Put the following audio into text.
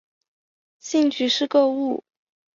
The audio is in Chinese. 兴趣是购物。